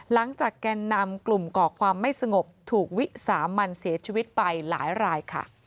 แกนนำกลุ่มก่อความไม่สงบถูกวิสามันเสียชีวิตไปหลายรายค่ะ